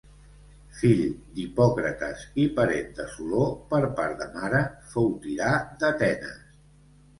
Fill d'Hipòcrates i parent de Soló per part de mare, fou tirà d'Atenes.